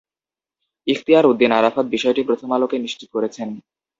ইখতিয়ার উদ্দিন আরাফাত বিষয়টি প্রথম আলোকে নিশ্চিত করেছেন।